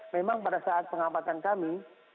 memang pada saat pengamatan kami